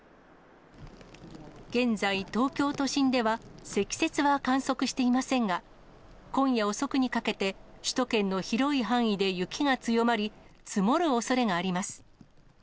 現在、東京都心では積雪は観測していませんが、今夜遅くにかけて、首都圏の広い範囲で雪が強まり、積もるおそれがあります。